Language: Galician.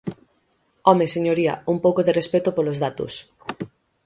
¡Home, señoría, un pouco de respecto polos datos!